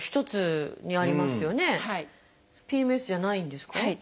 ＰＭＳじゃないんですか？